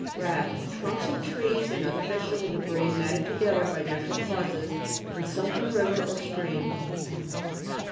69). RAFT Trunks of trees and other vegetable debris matted together, by natural causes, and sunk in a river or stream.